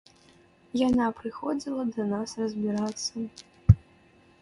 Яна прыходзіла да нас разбірацца.